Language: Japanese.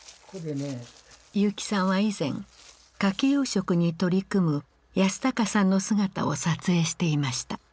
結城さんは以前カキ養殖に取り組む和享さんの姿を撮影していました。